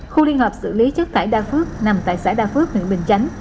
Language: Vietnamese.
khu liên hợp xử lý chất thải đa phước nằm tại xã đa phước huyện bình chánh